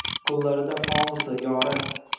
Koʼllarida fonusi… yo rab